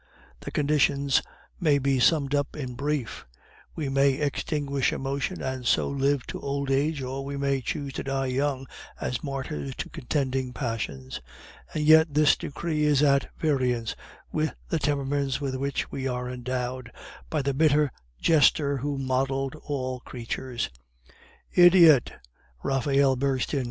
The conditions may be summed up in brief; we may extinguish emotion, and so live to old age, or we may choose to die young as martyrs to contending passions. And yet this decree is at variance with the temperaments with which we were endowed by the bitter jester who modeled all creatures." "Idiot!" Raphael burst in.